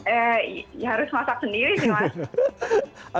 eh ya harus masak sendiri sih mas